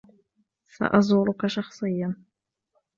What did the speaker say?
سأزورك شخصياً.